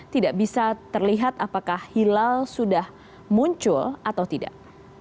tidak bisa terlihat apakah hilal sudah muncul atau tidak